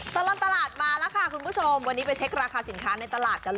ตลอดตลาดมาแล้วค่ะคุณผู้ชมวันนี้ไปเช็คราคาสินค้าในตลาดกันเลย